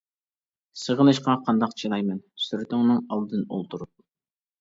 سېغىنىشقا قانداق چىداي مەن، سۈرىتىڭنىڭ ئالدىن ئولتۇرۇپ.